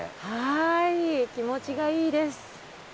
はい気持ちがいいです。